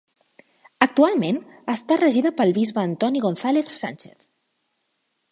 Actualment està regida pel bisbe Antonio González Sánchez.